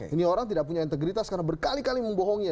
ini orang tidak punya integritas karena berkali kali membohongi